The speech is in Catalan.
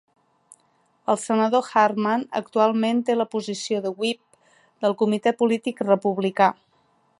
El senador Harman actualment té la posició de "whip" del comitè polític republicà.